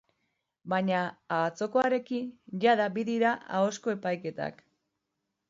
Baina atzokoarekin, jada bi dira ahozko epaiketak.